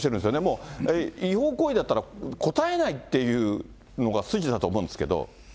もう、違法行為だったら答えないっていうのが筋だと思うんですけど。